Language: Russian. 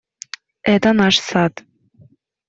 Это наш сад.